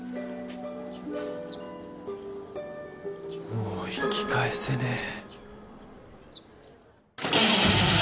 もう引き返せねえ。